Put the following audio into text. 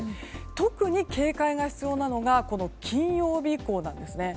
特に警戒が必要なのが金曜日以降なんです。